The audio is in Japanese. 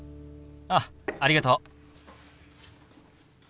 あっありがとう。